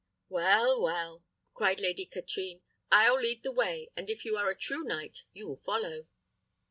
'" "Well, well!" cried Lady Katrine, "I'll lead the way; and if you are a true knight, you will follow."